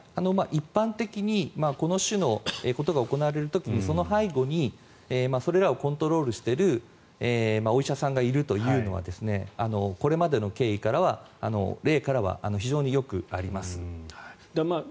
一般的にこの種のことが行われる時にその背後にそれらをコントロールしているお医者さんがいるというのはこれまでの例からは非常によくあります。